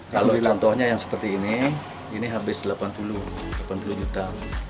kalau contohnya yang seperti ini ini habis delapan puluh delapan puluh juta